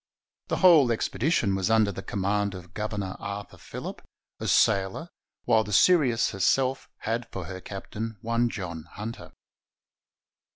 The whole expedition was under the command of Governor Arthur Phillip, a sailor, while the Sirius herself had for her captain one John Hunter.